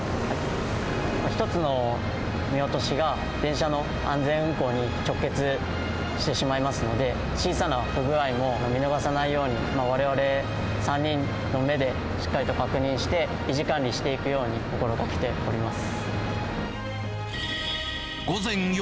一つの見落としが電車の安全運行に直結してしまいますので、小さな不具合も見逃さないように、われわれ３人の目でしっかりと確認して、維持管理していくように心がけております。